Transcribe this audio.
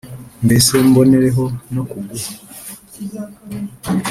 mbese mbonereho no kuguha